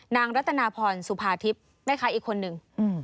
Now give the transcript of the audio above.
นางรัตนาพรสุภาทิพย์ไม่ใช่อีกคนนึง